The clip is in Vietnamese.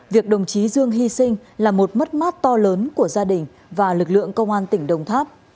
việc đồng chí dương hy sinh là một mất mát to lớn của gia đình và lực lượng công an tỉnh đồng tháp